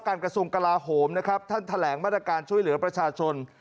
กรกษางกราฮมท่านแถลงมาตรการช่วยเหลือประชาชน